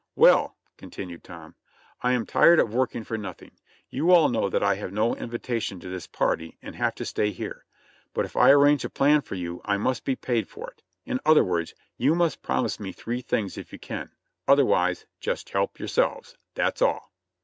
"Well," continued Tom, "I am tired of working for nothing; you all know that I have no invitation to this party and have to stay here; but if I arrange a plan for you I must be paid for it, in other words, you must promise me three things if you can, other wise just help yourselves, that's all